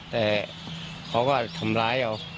แต่เขาก็ทำร้ายเอา